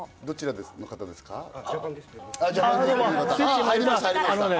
どちらの方ですか？